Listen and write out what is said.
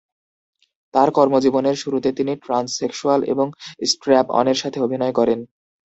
তার কর্মজীবনের শুরুতে তিনি ট্রান্সসেক্সুয়াল এবং স্ট্র্যাপ-অনের সাথে অভিনয় করেন।